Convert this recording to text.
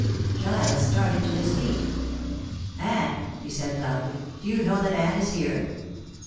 Giles started to his feet. "Anne," he said loudly, "do you know that Anne is here?"